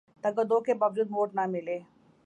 تگ و دو کے باوجود ووٹ نہ ملے